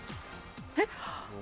えっ？